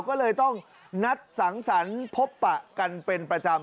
ก็เลยต้องนัดสังสรรค์พบปะกันเป็นประจำ